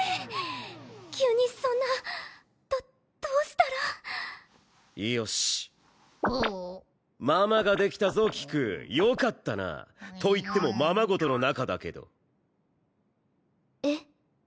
急にそんなどどうしたらよしママができたぞ菊よかったなといってもままごとの中だけどえっ？